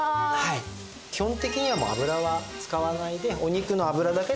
基本的には油は使わないでお肉の脂だけで。